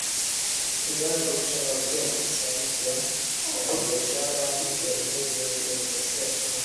Uganda kuchangamkia fursa mpya za kibiashara jamhuri ya kidemokrasia ya Kongo